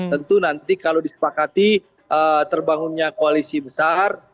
tentu nanti kalau disepakati terbangunnya koalisi besar